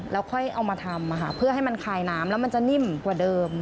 แล้วค่อยเอามาทำเพื่อให้มันคายน้ำแล้วมันจะนิ่มกว่าเดิม